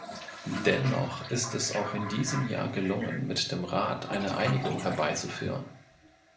Dennoch ist es auch in diesem Jahr gelungen, mit dem Rat eine Einigung herbeizuführen.